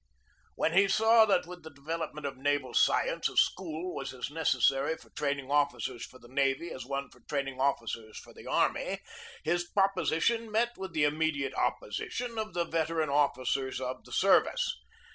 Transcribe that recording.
When he saw that, with the development of naval science, a school was as necessary for train ing officers for the navy as one for training officers for the army, his proposition met with the imme diate opposition of the veteran officers of the service.